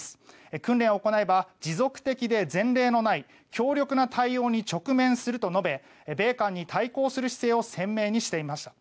訓練を行えば持続的で前例のない強力な対応に直面すると述べ米韓に対抗することを鮮明にしていました。